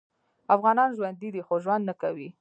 افغانان ژوندي دي خو ژوند نکوي